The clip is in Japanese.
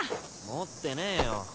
持ってねえよ。